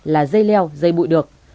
là dây leo dây bụi được